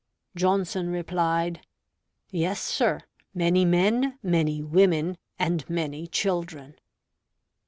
Johnson replied, "Yes, sir, many men, many women, and many children."